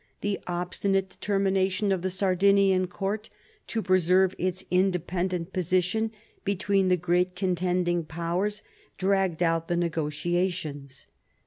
The obstinate determination of the Sardinian court to preserve its independent position between the great contending Powers, dragged out the negotiations.